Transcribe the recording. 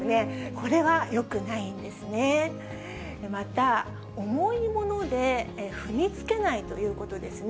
これはよくないんですね。